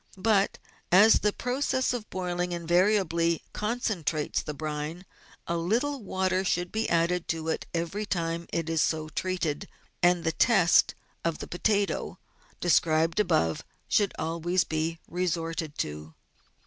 But, as the process of boiling invariably concentrates the brine, a little water should be added to it every time it is so treated, and the test of the potato, described above, should always be resorted to.